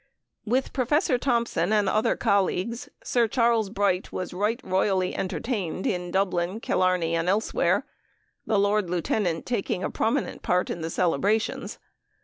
With Professor Thomson and other colleagues, Sir Charles Bright was right royally entertained in Dublin, Killarney, and elsewhere, the Lord Lieutenant taking a prominent part in the celebrations.